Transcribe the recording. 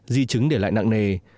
di chứng để lại nặng nề